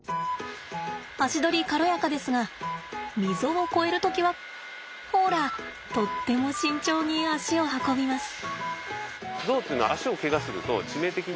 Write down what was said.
足取り軽やかですが溝を越える時はほらとっても慎重に肢を運びます。